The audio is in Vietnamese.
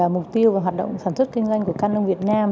mục tiêu và hoạt động sản xuất kinh doanh của canon việt nam